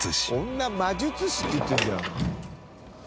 「女魔術師」って言ってるじゃん。